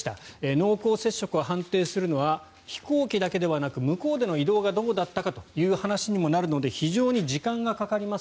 濃厚接触を判定するのは飛行機だけではなく向こうでの移動がどうだったのかという話にもなるので非常に時間がかかります